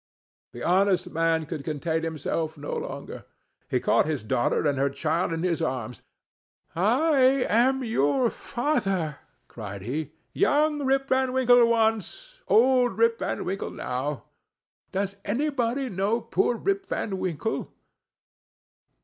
The honest man could contain himself no longer. He caught his daughter and her child in his arms. "I am your father!" cried he—"Young Rip Van Winkle once—old Rip Van Winkle now!—Does nobody know poor Rip Van Winkle?"